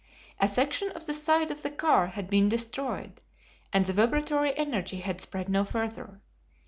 A section of the side of the car had been destroyed, and the vibratory energy had spread no further.